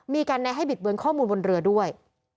มีการแนะให้บิดเบือนข้อมูลบนเรือด้วย